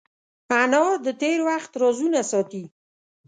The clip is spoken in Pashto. انا د تېر وخت رازونه ساتي